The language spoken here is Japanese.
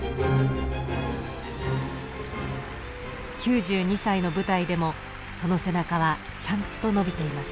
９２歳の舞台でもその背中はしゃんと伸びていました。